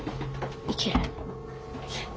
いける！